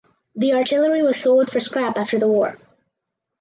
The artillery was sold for scrap after the war.